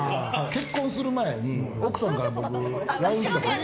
結婚する前に奥さんから僕、ＬＩＮＥ来た。